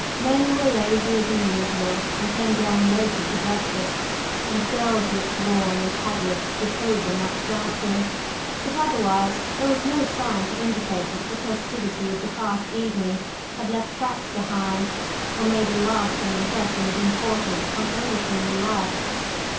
Men were lazier than usual and came down later to breakfast, and girls looked worn and haggard with over much dancing, but otherwise there was no sign to indicate that the festivity of the past evening had left "tracks behind," or made a lasting impression of importance on any human life.